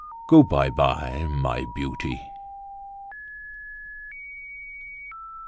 Go by by, my beauty!"